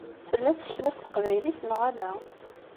Tella tsekla s teqbaylit neɣ ala?